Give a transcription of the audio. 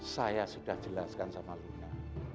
saya sudah jelaskan sama luna